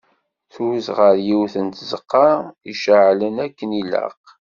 Tuz ɣer yiwet n tzeqqa iceɛlen akken ilaq.